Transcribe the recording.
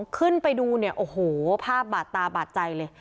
ขึ้นไปดูเนี่ยโอ้โหภาพบาดตาบาดใจเลย